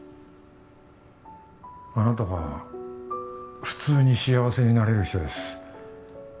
あなたは普通に幸せになれる人です